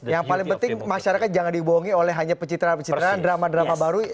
yang paling penting masyarakat jangan dibohongi oleh hanya pencitraan pencitraan drama drama baru